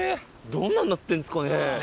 どんななってるんですかね。